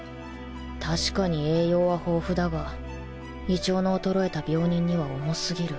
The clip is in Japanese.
確かに栄養は豊富だが胃腸の衰えた病人には重過ぎる